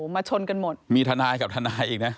ไม่จนกระมวดมีทะนายกับทะนายอีก